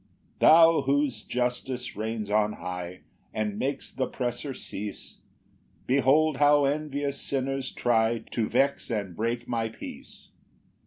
1 Thou, whose justice reigns on high, And makes th' oppressor cease, Behold how envious sinners try To vex and break my peace!